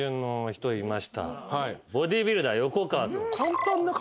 ボディビルダー横川君。